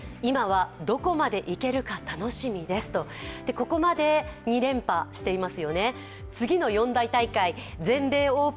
ここまで２連覇していますよね。